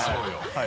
はい。